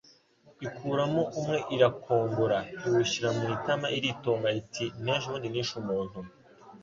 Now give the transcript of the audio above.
Ikuramo umwe irakongora :Iwushyira mu itama iritonga, Iti n' ejobundi nishe umuntu !».